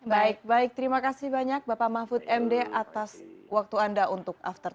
baik baik terima kasih banyak bapak mahfud md atas waktu anda untuk after sepuluh